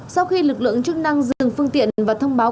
sau khi lực lượng chức năng dừng phương tiện và thông báo